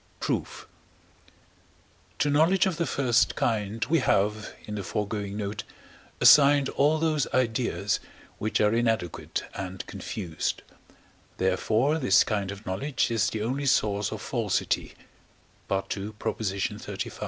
Proof. To knowledge of the first kind we have (in the foregoing note) assigned all those ideas, which are inadequate and confused; therefore this kind of knowledge is the only source of falsity (II. xxxv.).